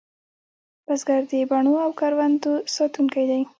بزګر د بڼو او کروندو ساتونکی دی